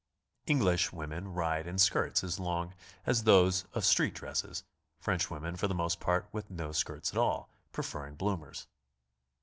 (Eng lish women ride in skirts as long as those of street dresses; French women for the most part with no skirts at all, pre ferring bloomers.)